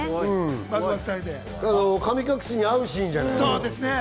神隠しにあうシーンじゃない。